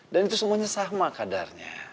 dan itu semuanya sama kadarnya